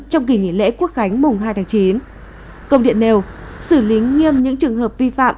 trong kỳ nghỉ lễ quốc khánh mùng hai tháng chín công điện nêu xử lý nghiêm những trường hợp vi phạm